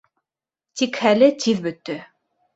Тик хәле тиҙ бөттө.